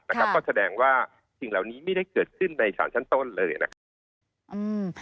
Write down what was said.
นะครับก็แสดงว่าสิ่งเหล่านี้ไม่ได้เกิดขึ้นในสารชั้นต้นเลยนะครับอืม